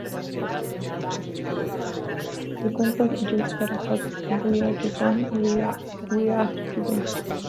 El cuento de Joyce Carol Oates "Where Are You Going, Where Have You Been?